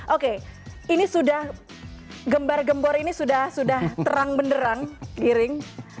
oke ini sudah gembar gembor ini sudah terang benderang giring